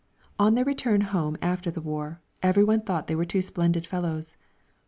On their return home after the war, every one thought they were two splendid fellows.